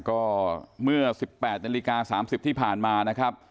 ก็เมื่อ๑๘นาฬิกา๓๐ที่ผ่านมานะครับ